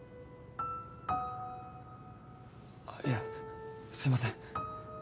あいやすいません